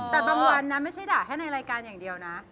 แต่บางวันนะไม่ใช่ด่าแค่ในรายการอย่างเดียวนะ